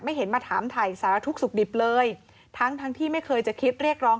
เห็นมาถามถ่ายสารทุกข์สุขดิบเลยทั้งทั้งที่ไม่เคยจะคิดเรียกร้อง